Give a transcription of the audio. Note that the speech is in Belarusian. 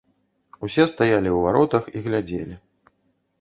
Усе стаялі ў варотах і глядзелі.